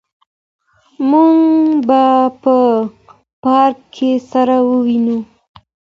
موږ به په پارک کي سره ووينو.